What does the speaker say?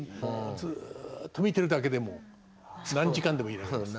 ずーっと見てるだけでも何時間でもいられます。